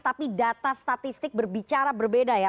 tapi data statistik berbicara berbeda ya